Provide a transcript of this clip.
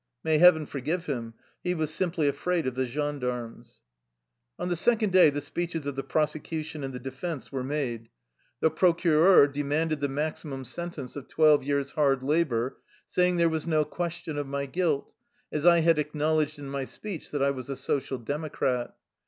May heaven forgive him ! He was simply afraid of the gendarmes. On the second day the speeches of the prose cution and the defense were made. The pro 82 THE LIFE STORY OF A RUSSIAN EXILE cureur demanded the maximum sentence of twelve years' hard labor, saying there was no question of my guilt, as I had acknowledged in my speech that I was a Social Democrat.